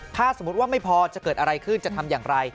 ถ้าสมมุติว่าไม่พอจะเกิดอะไรขึ้นจะทำอย่างไร